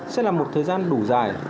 sẽ là một thời gian đủ dài